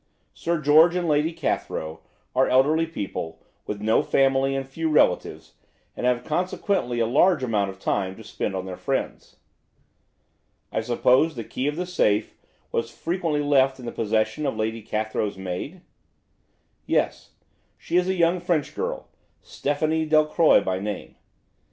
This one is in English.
Sir George and Lady Cathrow are elderly people, with no family and few relatives, and have consequently a large amount of time to spend on their friends." "I suppose the key of the safe was frequently left in the possession of Lady Cathrow's maid?" "Yes. She is a young French girl, Stephanie Delcroix by name.